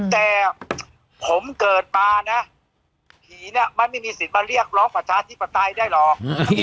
แต่ผมเกิดมานะผีน่ะมันไม่มีสิทธิ์มาเรียกร้องประชาธิปไตยได้หรอก